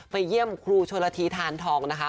เยี่ยมครูชนละทีทานทองนะคะ